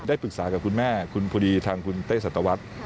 ปรึกษากับคุณแม่คุณพอดีทางคุณเต้สัตวรรษ